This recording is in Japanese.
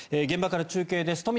現場から中継です。